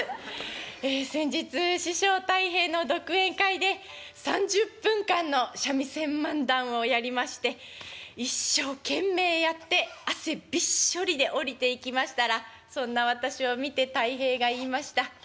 ええ先日師匠たい平の独演会で３０分間の三味線漫談をやりまして一生懸命やって汗びっしょりで降りていきましたらそんな私を見てたい平が言いました。